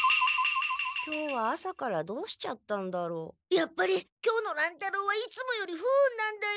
やっぱり今日の乱太郎はいつもより不運なんだよ。